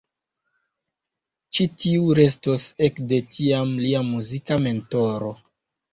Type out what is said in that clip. Ĉi tiu restos ekde tiam lia muzika mentoro.